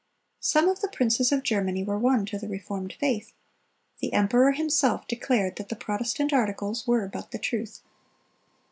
(306) Some of the princes of Germany were won to the reformed faith. The emperor himself declared that the Protestant articles were but the truth.